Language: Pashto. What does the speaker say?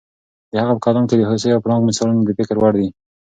د هغه په کلام کې د هوسۍ او پړانګ مثالونه د فکر وړ دي.